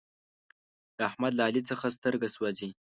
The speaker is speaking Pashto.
د احمد له علي څخه سترګه سوزي.